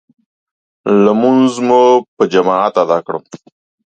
لمونځ مو په جماعت ادا کړ.